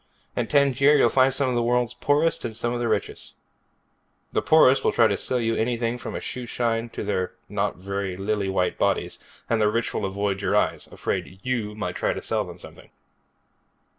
In Tangier you'll find some of the world's poorest and some of the richest. The poorest will try to sell you anything from a shoeshine to their not very lily white bodies, and the richest will avoid your eyes, afraid you might try to sell them something.